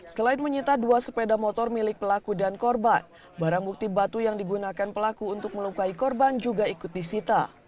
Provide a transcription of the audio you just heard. selain menyita dua sepeda motor milik pelaku dan korban barang bukti batu yang digunakan pelaku untuk melukai korban juga ikut disita